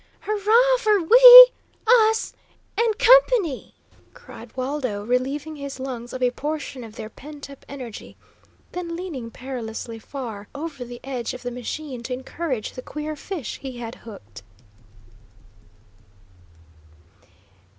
"Hurrah for we, us, and company!" cried Waldo, relieving his lungs of a portion of their pent up energy, then leaning perilously far over the edge of the machine to encourage the queer fish he had hooked.